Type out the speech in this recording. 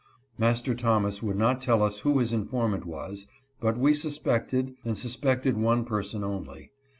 Master Thomas would not tell us who his informant was, but we suspected, and suspected one person only.